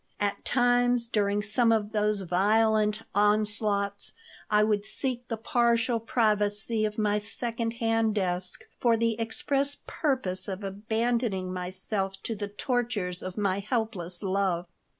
At times, during some of those violent onslaughts I would seek the partial privacy of my second hand desk for the express purpose of abandoning myself to the tortures of my helpless love.